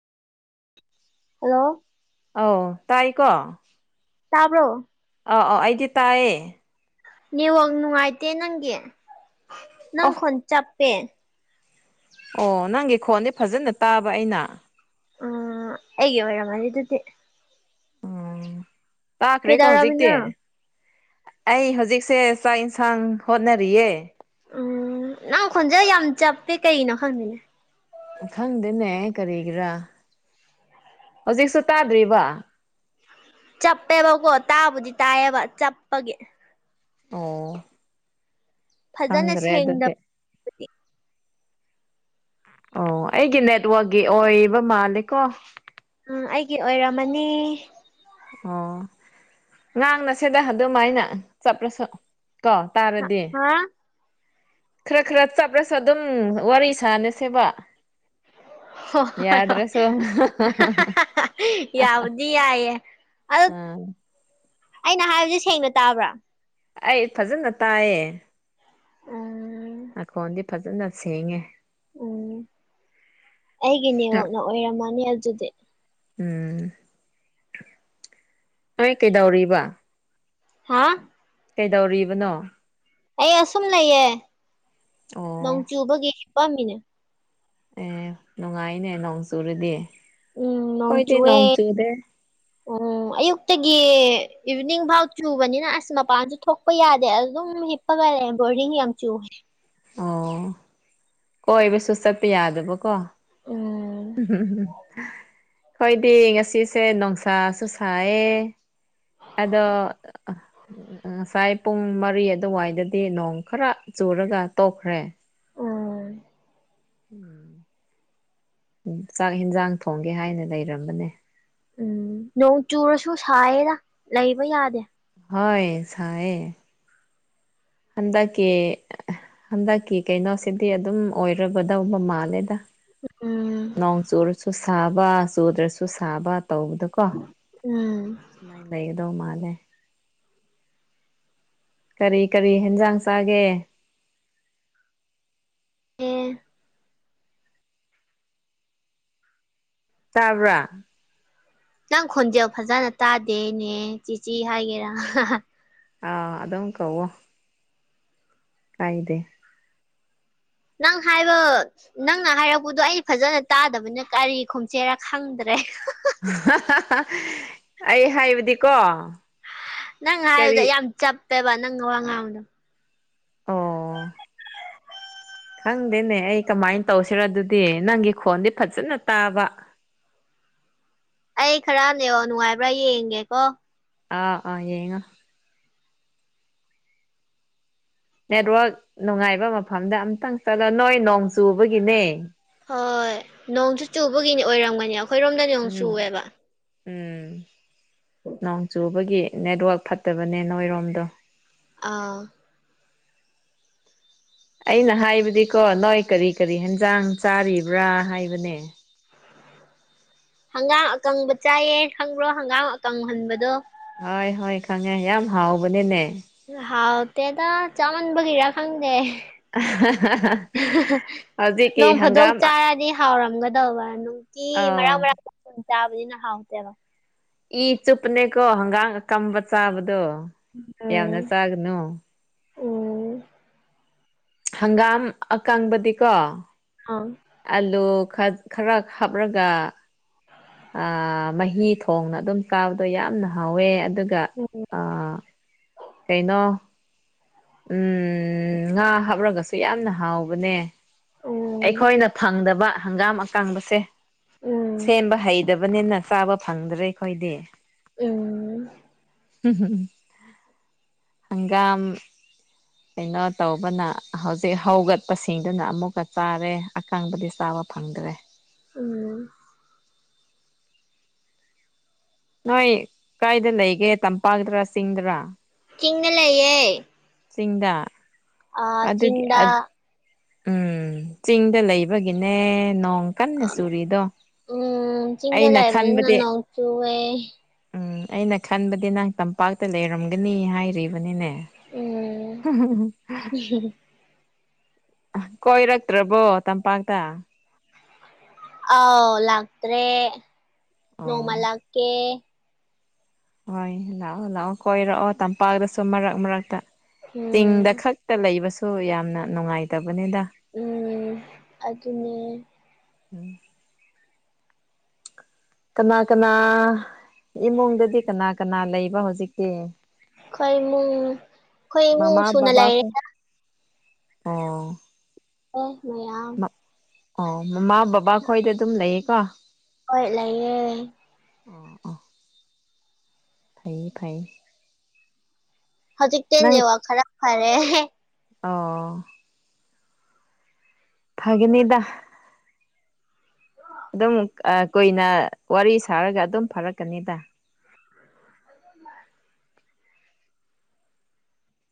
hello ꯑ ꯇꯥꯏꯀꯣ ꯇꯥꯕꯔꯣ ꯑꯥ ꯑꯥ ꯑꯩꯗꯤ ꯇꯥꯏꯌꯦ ꯅꯦꯠꯋꯥꯛ ꯅꯨꯡꯉꯥꯏꯇꯦ ꯅꯪꯒꯤ ꯅꯪ ꯑꯣ ꯈꯣꯟ ꯆꯞꯄꯦ ꯑꯣ ꯅꯪꯒꯤ ꯈꯣꯟꯗꯤ ꯐꯖꯅ ꯇꯥꯕ ꯑꯩꯅ ꯎꯝ ꯑꯩꯒꯤ ꯑꯣꯢꯔꯝꯅꯤ ꯑꯗꯨꯗꯤ ꯎꯝ ꯇꯥꯛꯈ꯭ꯔꯦꯀꯣ ꯍꯧꯖꯤꯛꯇꯤ ꯀꯩꯗꯧꯔꯝꯃꯤꯅꯣ ꯑꯩ ꯍꯧꯖꯤꯛꯁꯦ ꯆꯥꯛ ꯏꯟꯁꯥꯡ ꯍꯣꯠꯅꯔꯤꯌꯦ ꯎꯝ ꯅꯪ ꯈꯣꯟꯖꯦꯜ ꯌꯥꯝ ꯆꯞꯄꯦ ꯀꯩꯅꯣ ꯈꯪꯗꯦꯅꯦ ꯈꯪꯗꯦꯅꯦ ꯀꯔꯤꯒꯤꯔꯥ ꯍꯧꯖꯤꯛꯁꯨ ꯇꯥꯗ꯭ꯔꯤꯕ ꯆꯞꯄꯦꯕꯀꯣ ꯇꯥꯕꯨꯗꯤ ꯇꯥꯏꯌꯦꯕ ꯆꯞꯄꯒꯤ ꯑꯣ ꯐꯖꯅ ꯈꯪꯗ꯭ꯔꯦ ꯑꯗꯨꯗꯤ ꯁꯦꯡꯗꯕꯒꯤ ꯑꯣ ꯑꯩꯒꯤ ꯅꯦꯠꯋꯥꯛꯛꯀꯤ ꯑꯣꯏꯕ ꯃꯥꯜꯂꯦꯀꯣ ꯎꯝ ꯑꯩꯒꯤ ꯑꯣꯏꯔꯝꯃꯅꯤ ꯑꯣ ꯉꯥꯡꯅ ꯁꯤꯗ ꯑꯗꯨꯝꯥꯏꯅ ꯆꯠꯂꯁꯨ ꯀꯣ ꯍꯥ ꯇꯥꯔꯗꯤ ꯍꯣ ꯈꯔ ꯈꯔ ꯆꯞꯂꯁꯨ ꯑꯗꯨꯝ ꯋꯥꯔꯤ ꯁꯥꯅꯁꯦꯕ ꯍꯣꯢ ꯌꯥꯕꯨꯗꯤ ꯌꯥꯢꯌꯦ ꯑꯗꯣ ꯑꯥ ꯑꯩꯅ ꯍꯥꯏꯕꯁꯦ ꯁꯦꯡꯅ ꯇꯥꯕ꯭ꯔꯥ ꯑꯩ ꯐꯖꯅ ꯇꯥꯏꯌꯦ ꯎꯝ ꯅꯈꯣꯟꯗꯤ ꯐꯖꯅ ꯁꯦꯡꯉꯦ ꯎꯝ ꯑꯩꯒꯤ ꯅꯦꯋꯥꯛꯅ ꯑꯣꯏꯔꯝꯃꯅꯤ ꯑꯗꯨꯗꯤ ꯎꯝ ꯍꯣꯏ ꯀꯩꯗꯧꯔꯤꯕ ꯍꯥ ꯀꯩꯗꯧꯔꯤꯕꯅꯣ ꯑꯩ ꯑꯁꯨꯝ ꯂꯩꯌꯦꯦ ꯑꯣ ꯅꯣꯡ ꯆꯨꯕꯒꯤ ꯍꯤꯄꯝꯃꯤꯅꯦ ꯑꯦ ꯅꯨꯡꯉꯥꯏꯅꯦ ꯅꯣꯡ ꯆꯨꯨꯔꯗꯤ ꯎꯝ ꯅꯣꯡ ꯆꯨꯋꯦ ꯑꯣ ꯑꯌꯨꯛꯇꯒꯤ ꯏꯚꯤꯅꯤꯡ ꯐꯥꯎ ꯆꯨꯕꯅꯤꯅ ꯑꯁ ꯃꯄꯥꯟꯁꯨ ꯊꯣꯛ ꯍꯤꯞꯄ ꯌꯥꯗꯦ ꯑꯗꯨ ꯑꯗꯨꯝ ꯍꯤꯞꯄꯒꯂꯦ ꯕꯣꯔꯗꯤꯡ ꯌꯥꯝ ꯆꯨꯦ ꯑꯣ ꯀꯣꯏꯕꯁꯨ ꯆꯠꯄ ꯌꯥꯗꯕꯀꯣ ꯎꯝ ꯎ ꯑꯩꯈꯣꯏꯗꯤ ꯉꯁꯤꯁꯦ ꯅꯨꯡꯁꯥꯁꯨ ꯁꯥꯏꯌꯦ ꯑꯗꯣ ꯉꯁꯥꯏ ꯄꯨꯡ ꯃꯔꯤ ꯑꯗꯨꯋꯥꯏꯗꯗꯤ ꯅꯣꯡ ꯈꯔ ꯆꯨꯔꯒ ꯇꯣꯛꯈ꯭ꯔꯦ ꯎꯝ ꯎꯝ ꯆꯥꯛ ꯌꯦꯟꯖꯥꯡ ꯊꯣꯡꯒꯦ ꯍꯥꯏꯅ ꯂꯩꯔꯝꯕꯅꯦ ꯎꯝ ꯅꯣꯡ ꯆꯨꯔꯁꯨ ꯁꯥꯏꯌꯦꯗ ꯂꯩꯕ ꯌꯥꯗꯦ ꯍꯣꯢ ꯁꯥꯏꯌꯦ ꯍꯟꯗꯛꯀꯤ ꯍꯟꯗꯛꯀꯤ ꯀꯩꯅꯣꯁꯤꯗꯤ ꯑꯗꯨꯝ ꯑꯣꯏꯔꯒꯗꯧꯕ ꯃꯥꯜꯂꯦꯗ ꯎꯝ ꯅꯣꯡ ꯆꯨꯔꯁꯨ ꯁꯥꯕ ꯆꯨꯗ꯭ꯔꯁꯨ ꯁꯥꯕ ꯇꯧꯕꯗꯀꯣ ꯎꯝ ꯁꯨꯃꯥꯏꯅ ꯂꯩꯒꯗꯧ ꯃꯥꯜꯂꯦ ꯀꯔꯤ ꯀꯔꯤ ꯍꯦꯟꯖꯥꯡ ꯆꯥꯒꯦ ꯑꯦ ꯇꯥꯕ꯭ꯔꯥ ꯅꯪ ꯈꯨꯟꯖꯦꯜ ꯐꯖꯅ ꯇꯥꯗꯦꯅꯦ ꯆꯤꯆꯤ ꯍꯥꯏꯒꯦꯔꯥ ꯑꯥ ꯑ ꯑꯗꯨꯣ ꯀꯋꯣ ꯀꯥꯏꯗꯦ ꯅꯪ ꯍꯥꯏꯕ ꯅꯪꯅ ꯍꯥꯏꯔꯛꯄꯗꯣ ꯑꯩ ꯐꯖꯅ ꯇꯥꯗꯕꯅ ꯀꯔꯤ ꯈꯨꯝꯆꯦꯔꯥ ꯈꯪꯗ꯭ꯔꯦ ꯑꯩ ꯍꯥꯏꯕꯗꯤꯀꯣ ꯅꯪ ꯍꯥꯏꯕꯗꯣ ꯀꯔꯤ ꯌꯥꯝ ꯆꯞꯄꯦꯕ ꯅꯪ ꯋꯥꯉꯥꯡꯗꯣ ꯑꯣ ꯈꯪꯗꯦꯅꯦ ꯑꯩ ꯀꯃꯥꯏꯅ ꯇꯧꯁꯤꯔꯣ ꯑꯗꯨꯗꯤ ꯅꯪꯒꯤ ꯈꯣꯟꯗꯤ ꯐꯖꯅ ꯇꯥꯕ ꯑꯩ ꯈꯔ ꯅꯦꯠꯋꯥꯛ ꯅꯨꯉꯥꯏꯕ꯭ꯔꯥ ꯌꯦꯡꯒꯦꯀꯣ ꯑꯥ ꯑꯥ ꯌꯦꯡꯉꯣ ꯅꯦꯠꯋꯥꯔꯛ ꯅꯨꯡꯉꯥꯏꯕ ꯃꯐꯝꯗ ꯑꯝꯇꯪ ꯆꯠꯂꯣ ꯅꯣꯏ ꯅꯣꯡ ꯆꯨꯕꯒꯤꯅꯦ ꯍꯣꯏ ꯅꯣꯡꯁꯨ ꯆꯨꯕꯒꯤꯅꯤ ꯑꯣꯏꯔꯝꯒꯅꯤ ꯑꯩꯈꯣꯏꯔꯣꯝꯗꯤ ꯅꯣꯡ ꯎꯝ ꯆꯨꯌꯦꯕ ꯎꯝ ꯅꯣꯡ ꯆꯨꯕꯒꯤ ꯅꯦꯠꯋꯥꯛ ꯐꯠꯇꯕꯅꯦ ꯅꯣꯏꯔꯣꯝꯗꯣ ꯑꯥ ꯑꯩꯅ ꯍꯥꯏꯕꯗꯤꯀꯣ ꯅꯣꯏ ꯀꯔꯤ ꯀꯔꯤ ꯍꯦꯟꯖꯥꯡ ꯆꯥꯔꯤꯕ꯭ꯔꯥ ꯍꯥꯏꯕꯅꯦ ꯍꯪꯒꯥꯝ ꯑꯀꯪꯕ ꯆꯥꯏꯌꯦ ꯈꯪꯕ꯭ꯔꯣ ꯍꯪꯒꯥꯝ ꯑꯀꯪꯍꯟꯕꯗꯣ ꯍꯣꯏ ꯍꯣꯏ ꯈꯪꯉꯦ ꯌꯥꯝ ꯍꯥꯎꯕꯅꯤꯅꯦ ꯍꯥꯎ ꯇꯦꯗ ꯆꯥꯃꯟꯕꯒꯤꯔ ꯈꯪꯗꯦ ꯑ ꯍ ꯍ ꯍ ꯅꯣꯡ ꯐꯥꯗꯣꯛ ꯆꯥꯔꯗꯤ ꯍꯥꯎꯔꯝꯒꯗꯧꯕ ꯅꯨꯡꯇꯤ ꯃꯔꯥꯛ ꯑꯥꯎ ꯃꯔꯥꯛ ꯄꯨꯡ ꯆꯥꯕꯅꯤꯅ ꯍꯥꯎꯇꯦꯕ ꯏ ꯆꯨꯞꯄꯅꯦꯀꯣ ꯍꯒꯥꯥꯡ ꯑꯀꯝꯕ ꯆꯥꯕꯗꯣ ꯎ ꯌꯥꯎꯅ ꯆꯒꯅꯣ ꯍꯪꯒꯥꯝ ꯑꯀꯪꯕꯗꯤꯀꯣ ꯍꯥꯎ ꯑꯂꯨ ꯈꯠ ꯈꯔ ꯍꯥꯞꯔꯒ [unintelligible] ꯑ ꯃꯍꯤ ꯊꯣꯡꯅ ꯑꯗꯨꯝ ꯀꯥꯕꯗꯣ ꯌꯥꯝꯅ ꯍꯥꯎꯋꯦ ꯑꯗꯨꯒ ꯎꯝ ꯑ ꯀꯩꯅꯣ ꯎꯝ ꯉꯥ ꯍꯥꯞꯔꯒꯁꯨ ꯌꯥꯝꯅ ꯍꯥꯎꯕꯅꯦ ꯎꯝ ꯑꯩꯈꯣꯏꯅ ꯐꯪꯗꯕ ꯍꯪꯒꯥꯝ ꯑꯀꯥꯡꯕꯁꯦ ꯎꯝ ꯁꯦꯝꯕ ꯍꯩꯗꯞ ꯕꯅꯤꯅ ꯆꯥꯕ ꯐꯪꯗ꯭ꯔꯦ ꯑꯩꯈꯣꯏꯗꯤ ꯎꯝ ꯍꯝ ꯍꯝ ꯍꯪꯒꯥꯥꯝ ꯀꯩꯅꯣ ꯇꯧꯕꯅ ꯍꯧꯖꯤꯛ ꯍꯧꯒꯠꯄꯁꯤꯡꯗꯨꯅ ꯑꯃꯨꯛꯀ ꯆꯥꯔꯦ ꯑꯀꯥꯡꯕꯗꯤ ꯆꯥꯕ ꯐꯪꯗ꯭ꯔꯦ ꯎꯝ ꯅꯣꯏ ꯀꯥꯏꯗ ꯂꯩꯒꯦ ꯇꯝꯄꯥꯛꯗꯔꯥ ꯆꯤꯡꯗꯔꯥ ꯆꯤꯡꯅ ꯂꯩꯌꯦ ꯆꯤꯡꯗ ꯑ ꯑꯗꯨꯒꯤ ꯆꯤꯡꯗ ꯎꯝ ꯆꯤꯡꯗ ꯂꯩꯕꯒꯤꯅꯦ ꯅꯣꯡ ꯀꯟꯅ ꯆꯨꯔꯤꯗꯣ ꯎꯝ ꯆꯤꯡꯤꯡꯗꯦ ꯑꯩꯅ ꯂꯌꯕ ꯈꯟꯕꯗꯤ ꯅꯅꯍꯧꯆꯨ ꯑꯦ ꯎꯝ ꯑꯩꯅ ꯈꯟꯕꯗꯤ ꯅꯍ ꯇꯝꯄꯥꯛꯇ ꯂꯩꯔꯝꯒꯅꯤ ꯍꯥꯏꯔꯤꯕꯅꯤꯅꯦ ꯍꯨꯝ ꯍꯨꯝ ꯍꯨꯝ ꯍꯨꯝ ꯍꯨꯝ ꯍꯨꯝ ꯀꯣꯏꯔꯛꯇ꯭ꯔꯕꯣ ꯇꯝꯄꯥꯛꯇ ꯑꯥꯎ ꯂꯥꯛꯇ꯭ꯔꯦ ꯑꯣ ꯅꯣꯡꯃ ꯂꯀꯦ ꯍꯣꯏ ꯂꯥꯛꯑꯣ ꯂꯥꯛꯑꯣ ꯀꯣꯏꯔꯛꯑꯣ ꯇꯝꯄꯥꯛꯇꯁꯨ ꯃꯔꯛ ꯃꯔꯛꯇ ꯎꯝ ꯆꯤꯡꯗ ꯈꯛ ꯇ ꯂꯩꯕꯁꯨ ꯌꯥꯝꯅ ꯅꯨꯡꯉꯥꯏꯇꯕꯅꯤꯗ ꯎꯝ ꯑꯗꯨꯅꯦ [inaudible] ꯀꯅꯥ ꯀꯅꯥ ꯏꯃꯨꯡꯗꯗꯤ ꯀꯅꯥ ꯀꯅꯥ ꯂꯩꯕ ꯍꯧꯖꯤꯛꯇꯤ ꯈꯣꯏ ꯃꯤ ꯈꯣꯏ ꯃꯤ ꯏꯃꯨꯡ ꯃꯃꯥ ꯁꯨꯅ ꯂꯩꯔꯤꯗ ꯑꫭ ꯑꯦ ꯃꯌꯥꯝ ꯑꯣ ꯃꯃꯥ ꯕꯕꯥ ꯈꯣꯏꯗ ꯑꯗꯨꯝ ꯂꯩꯌꯦꯀꯣ ꯍꯣꯏ ꯂꯩꯌꯦ ꯐꯩꯏ ꯐꯩ ꯍꯧꯖꯤꯛꯇ ꯅꯪ ꯅꯦꯋꯥꯛ ꯈꯔ ꯐꯔꯦ ꯍꯦ ꯑꯣ ꯐꯒꯅꯤꯗ ꯑꯗꯨꯝ ꯀꯨꯏꯅ ꯋꯥꯔꯤ ꯁꯥꯔꯒ ꯑꯗꯨꯝ ꯐꯥꯔꯛꯀꯅꯤꯗ [unintelligible]